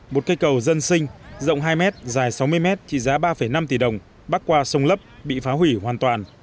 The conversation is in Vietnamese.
một cây cầu dân sinh rộng hai mét dài sáu mươi mét chỉ giá ba năm tỷ đồng bắt qua sông lấp bị phá hủy hoàn toàn